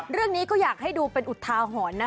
เรื่องนี้ก็อยากให้ดูเป็นอุทาหรณ์นะ